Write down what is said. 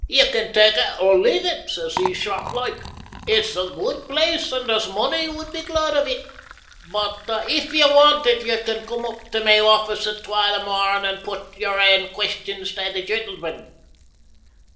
"Ye can tak it or leave it," says he sharp like. "It's a guid place, and there's mony would be glad o't. If ye want it ye can come up tae my office at twa the morn and put your ain questions tae the gentleman."